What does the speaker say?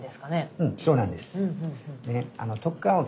うんそうなんです。